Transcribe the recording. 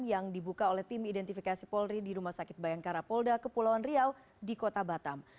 yang dibuka oleh tim identifikasi polri di rumah sakit bayangkara polda kepulauan riau di kota batam